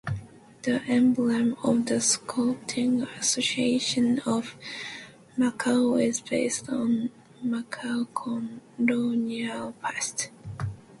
The emblem of the Scouting Association of Macau is based on Macau colonial past.